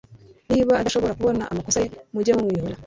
niba adashobora kubona amakosa ye mujye mumwihorera